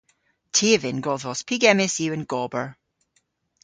Ty a vynn godhvos pygemmys yw an gober.